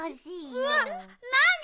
うわっなに？